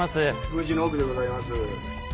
宮司の奥でございます。